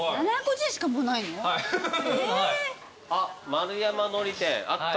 丸山海苔店あった。